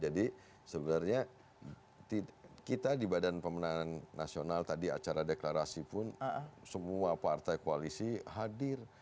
jadi sebenarnya kita di badan pemenangan nasional tadi acara deklarasi pun semua partai koalisi hadir